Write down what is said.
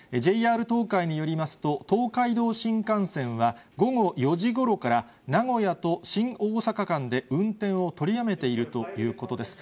ＪＲ東海によりますと、東海道新幹線は午後４時ごろから、名古屋と新大阪間で運転を取りやめているということです。